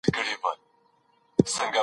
کمپيوټر نوټونه خوندي کوي.